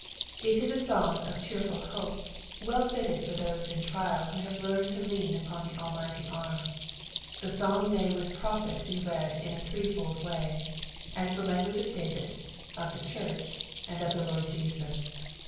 It is a song qfeheerfvl hope, VHUfitteii for those in trial roho have learned lo lean npon the Almighty arm. JlieFaaimmay mOh profU be read ina threefold way, aa Vie language of Daoid, qf the (fturcA, and of the LordJestts.